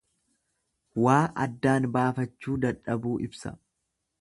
Waa addaan baafachuu dadhabuu ibsa.